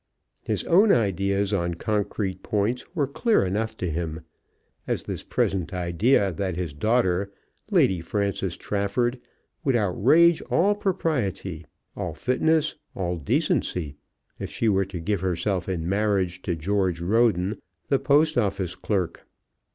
His own ideas on concrete points were clear enough to him, as this present idea that his daughter, Lady Frances Trafford, would outrage all propriety, all fitness, all decency, if she were to give herself in marriage to George Roden, the Post Office clerk.